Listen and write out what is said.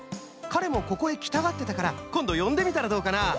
かれもここへきたがってたからこんどよんでみたらどうかな？